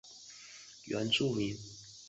母亲是排湾族原住民。